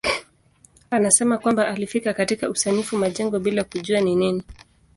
Anasema kwamba alifika katika usanifu majengo bila kujua ni nini.